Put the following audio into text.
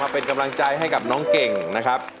เป็นกำลังใจให้กับน้องเก่งนะครับ